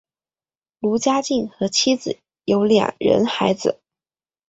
卢家进和妻子有两人孩子。